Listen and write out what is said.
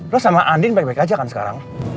lo sama andin baik baik aja kan sekarang